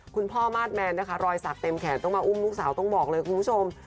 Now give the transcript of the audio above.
คุณพ่อมาสแมนนะคะรอยสักเต็มแขนต้องมาอุ้มลูกสาวต้องบอกเลยคุณผู้ชม